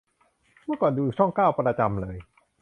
เมื่อก่อนดูช่องเก้าประจำเลย